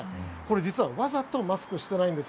実はわざとマスクしていないんです。